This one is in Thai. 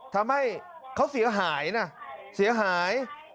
ทำให้เขาเสียหายนะเสียหาย